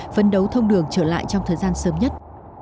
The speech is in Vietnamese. phấn đấu thông đường trở lại trong thời gian sớm nhất